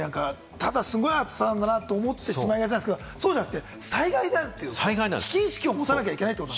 ただすごい暑さなんだなと思ってしまいがちですけれども、そうじゃなくて災害だと、危険意識を持たなきゃいけないってこと。